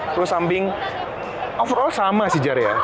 terus samping overall sama sih jari ya